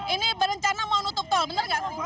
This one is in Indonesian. ini berencana mau nutup tol benar nggak